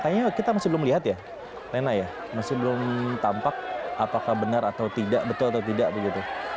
kayaknya kita masih belum lihat ya lena ya masih belum tampak apakah benar atau tidak betul atau tidak begitu